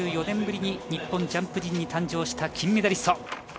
２４年ぶりに日本ジャンプ陣に誕生した金メダリスト。